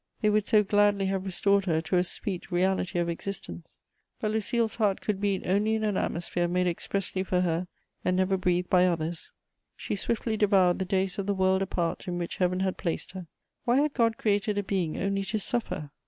They would so gladly have restored her to a sweet reality of existence! But Lucile's heart could beat only in an atmosphere made expressly for her and never breathed by others. She swiftly devoured the days of the world apart in which Heaven had placed her. Why had God created a being only to suffer?